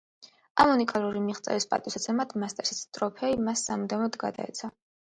ამ უნიკალური მიღწევის პატივსაცემად მასტერსის ტროფეი მას სამუდამოდ გადაეცა.